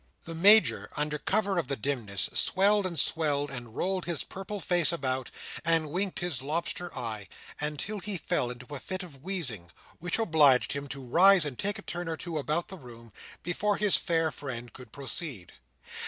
The Major, under cover of the dimness, swelled, and swelled, and rolled his purple face about, and winked his lobster eye, until he fell into a fit of wheezing, which obliged him to rise and take a turn or two about the room, before his fair friend could proceed.